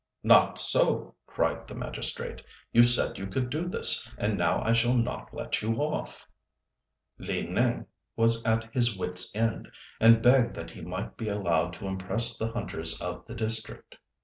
"Not so," cried the magistrate, "you said you could do this, and now I shall not let you off." Li Nêng was at his wits' end, and begged that he might be allowed to impress the hunters of the district.